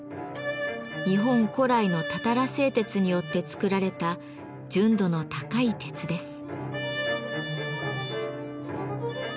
日本古来のたたら製鉄によって作られた純度の高い鉄です。